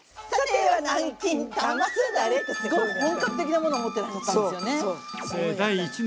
すごい本格的なものを持ってらっしゃったんですよね。